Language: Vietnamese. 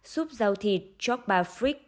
suốt rau thịt chóc bà phrik